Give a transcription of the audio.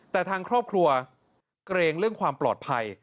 แต่ทางครอบครัวเกรงเรื่องความปลอดภัย